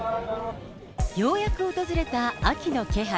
ようやく訪れた秋の気配。